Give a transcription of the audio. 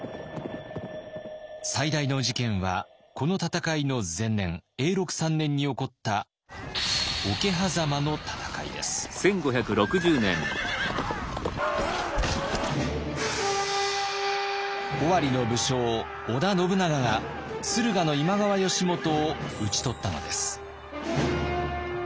最大の事件はこの戦いの前年永禄３年に起こった尾張の武将織田信長が駿河の今川義元を討ち取ったのです。